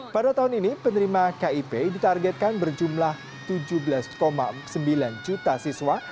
pada tahun ini penerima kip ditargetkan berjumlah tujuh belas sembilan juta siswa